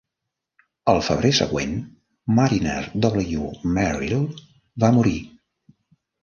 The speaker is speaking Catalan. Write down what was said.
Al febrer següent, Marriner W. Merrill va morir.